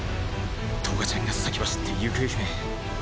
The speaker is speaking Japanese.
トガちゃんが先走って行方不明。